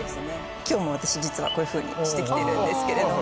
今日も私実はこういうふうにしてきてるんですけども。